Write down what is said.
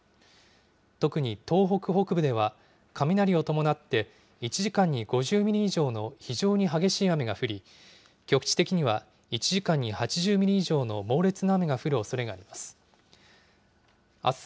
特に東北北部では、雷を伴って１時間に５０ミリ以上の非常に激しい雨が降り、局地的には１時間に８０ミリ以上の猛烈な雨が降るおそれがあります。